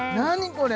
これ？